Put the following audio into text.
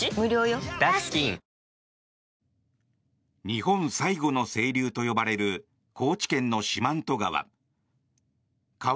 日本最後の清流と呼ばれる高知県の四万十川。